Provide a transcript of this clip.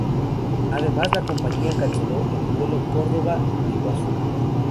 Además, la compañía canceló el vuelo Córdoba-Iguazú.